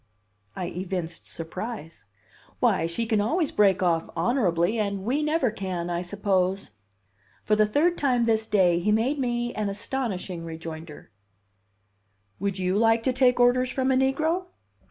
I evinced surprise. "Why, she can always break off honorably, and we never can, I suppose." For the third time this day he made me an astonishing rejoinder: "Would you like to take orders from a negro?"